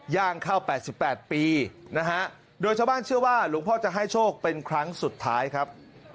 ย่างเข้า๘๘ปีนะฮะโดยชาวบ้านเชื่อว่าหลวงพ่อจะให้โชคเป็นครั้งสุดท้ายครับ